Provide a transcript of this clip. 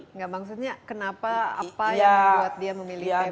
enggak maksudnya kenapa apa yang membuat dia memilih tema ini